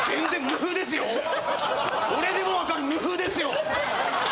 俺でも分かる無風ですよ！